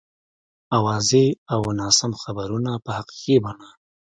اوازې او ناسم خبرونه په حقیقي بڼه.